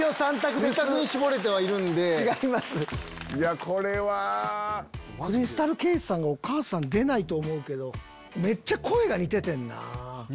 クリスタル・ケイさんのお母さん出ないと思うけどめっちゃ声が似ててんな。